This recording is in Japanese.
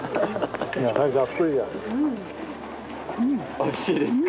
おいしいですか？